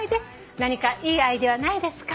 何かいいアイデアないですか？」